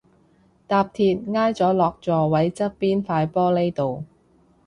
搭鐵挨咗落座位側邊塊玻璃度